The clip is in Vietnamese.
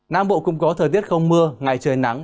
nam bộ cũng có thời tiết không mưa ngày trời nắng